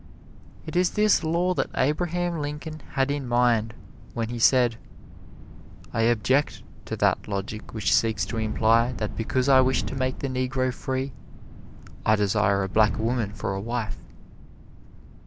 It is this law that Abraham Lincoln had in mind when he said, "I object to that logic which seeks to imply that because I wish to make the negro free, I desire a black woman for a wife."